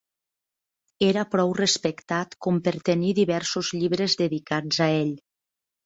Era prou respectat com per tenir diversos llibres dedicats a ell.